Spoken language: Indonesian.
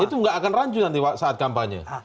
itu nggak akan rancu nanti saat kampanye